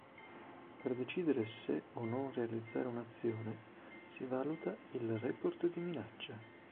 Per decidere se o non realizzare un'azione si valuta il report di minaccia.